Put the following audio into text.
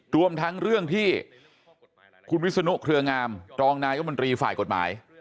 รวมทั้งเรื่องที่คุณวิศนุเครืองามรองนายมนตรีฝ่ายกฎหมาย